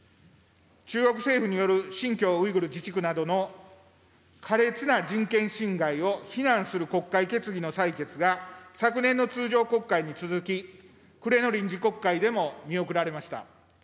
中国政府による新疆ウイグル自治区などでの苛烈な人権侵害を非難する国会決議の採決が、昨年の通常国会に続き、暮れの臨時国会でも見送られました。